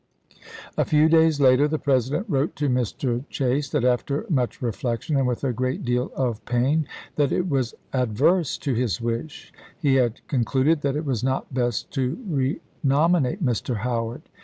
A few days later the President wrote to Mr. Chase that after much reflection and with a great deal of pain that it was adverse to his wish, he had con cluded that it was not best to renominate Mr. Howard.